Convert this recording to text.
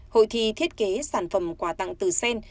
hội thi thiết kế sản phẩm quà tặng từ sen